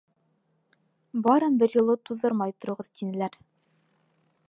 Барын бер юлы туҙҙырмай тороғоҙ, — тинеләр.